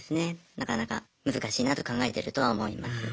なかなか難しいなと考えてるとは思います。